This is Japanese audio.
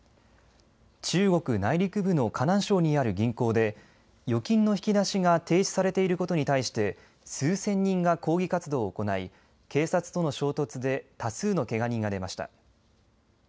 中国内陸部の河南省にある銀行で預金の引き出しが停止されていることに対して数千人が抗議活動を行い警察との衝突で多数のけが人が出ました。